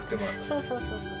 そうそうそうそう。